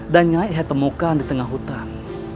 dan nyai ditemukan di tengah hutan